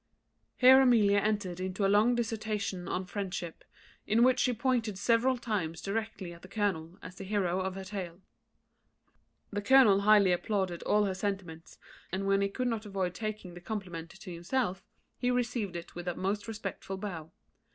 Here Amelia entered into a long dissertation on friendship, in which she pointed several times directly at the colonel as the hero of her tale. The colonel highly applauded all her sentiments; and when he could not avoid taking the compliment to himself, he received it with a most respectful bow.